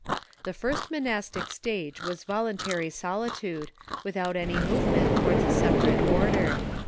The first monastic stage was voluntary solitude, with out any movement towards a separate order.